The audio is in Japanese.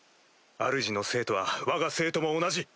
あるじの生徒はわが生徒も同じ。